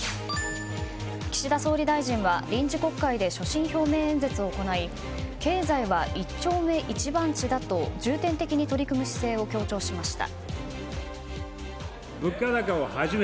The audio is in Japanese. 岸田総理大臣は臨時国会で所信表明演説を行い経済は一丁目一番地だと重点的に取り組む姿勢を強調しました。